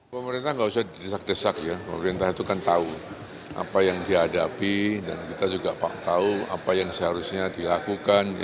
pemerintah nggak usah didesak desak ya pemerintah itu kan tahu apa yang dihadapi dan kita juga tahu apa yang seharusnya dilakukan